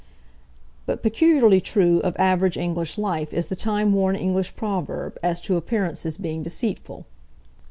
But peculiarly true of average English life is the time worn English proverb as to appearances being deceitful.